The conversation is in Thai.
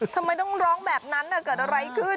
ทำไมต้องร้องแบบนั้นเกิดอะไรขึ้น